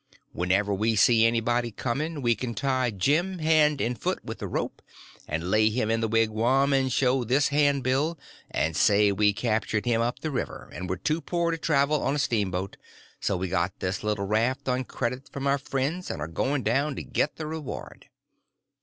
Whenever we see anybody coming we can tie Jim hand and foot with a rope, and lay him in the wigwam and show this handbill and say we captured him up the river, and were too poor to travel on a steamboat, so we got this little raft on credit from our friends and are going down to get the reward.